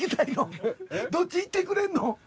どっち行ってくれんの？